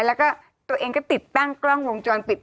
แล้วก็ตัวเองก็ติดตั้งกล้องวงจรปิด